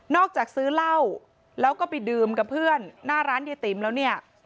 จากซื้อเหล้าแล้วก็ไปดื่มกับเพื่อนหน้าร้านเยติ๋มแล้วเนี่ย